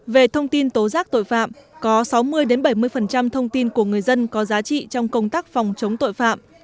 về thông tin tố giác tội phạm có sáu mươi bảy mươi thông tin của người dân có giá trị trong công tác phòng chống tội phạm